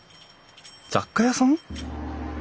雑貨屋さん？